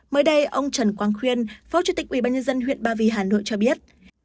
mới đây ông trần quang khuyên phó chủ tịch ubnd huyện ba vì hà nội cho biết